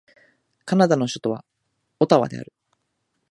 カナダの首都はオタワである